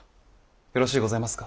よろしうございますか。